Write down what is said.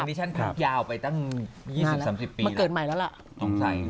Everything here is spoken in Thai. นี่ฉันพักยาวไปตั้ง๒๐๓๐ปีมาเกิดใหม่แล้วล่ะ